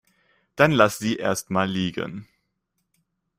Dann lass sie erst mal liegen.